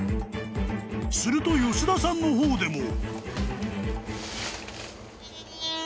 ［すると田さんの方でも］